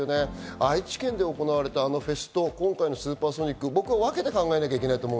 愛知県で行われたフェスと今回のスーパーソニック、分けて考えなきゃいけないと思う。